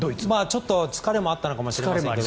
ちょっと疲れもあったのかもしれません。